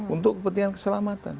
untuk kepentingan keselamatan